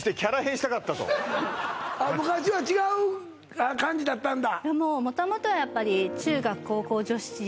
あっ昔は違う感じだったんだ？